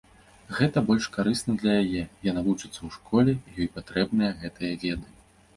Гэта больш карысна для яе, яна вучыцца ў школе, і ёй патрэбныя гэтыя веды.